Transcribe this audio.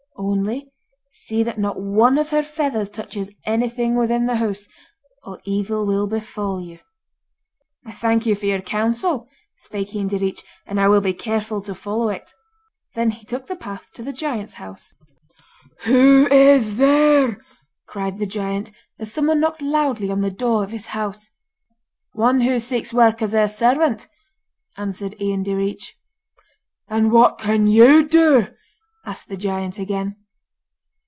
Only see that not one of her feathers touches anything within the house, or evil will befall you.' 'I thank you for your counsel,' spake Ian Direach, 'and I will be careful to follow it.' Then he took the path to the giant's house. 'Who is there?' cried the giant, as someone knocked loudly on the door of his house. 'One who seeks work as a servant,' answered Ian Direach. 'And what can you do?' asked the giant again.